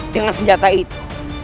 dengan senjata itu